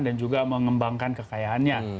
dan juga mengembangkan kekayaannya